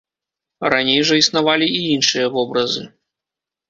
Раней жа існавалі і іншыя вобразы.